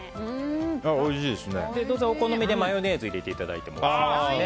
お好みでマヨネーズを入れていただいてもおいしいですし。